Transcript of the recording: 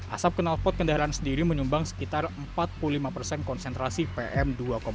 asap kenalpot kendaraan sendiri menyumbang sekitar empat puluh lima persen konsentrasi pm dua lima